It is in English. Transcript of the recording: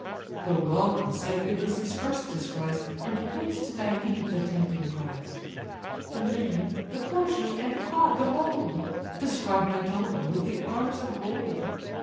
The welcome sight Ulysses first descries, And points to Diomed the tempting prize. "The man, the coursers, and the car behold! Described by Dolon, with the arms of gold.